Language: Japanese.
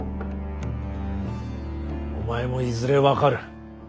お前もいずれ分かる。